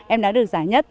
em đã được giải nhất